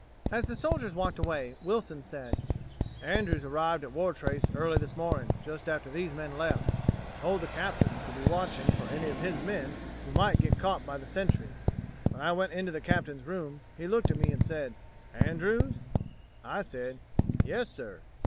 As the soldiers walked away, Wilson said: "Andrews arrived at Wartrace early this morning, just after these men left, and told the Captain to be watching for any of his men who might get caught by the sentries. When I went into the Captain's room, he looked at me and said, 'Andrews?' I said, 'Yes, sir.'